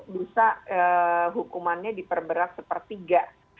dosa hukumannya diperberat sepertiga